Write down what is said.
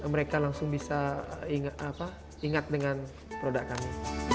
mereka langsung bisa ingat dengan produk kami